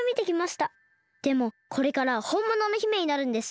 でもこれからはほんものの姫になるんです。